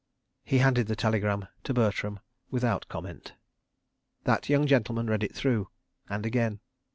... He handed the telegram to Bertram without comment. That young gentleman read it through, and again.